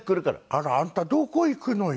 あらあんたどこ行くのよ？